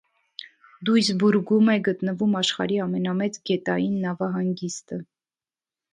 Դույսբուրգում է գտնվում աշխարհի ամենամեծ գետային նավահանգիստը։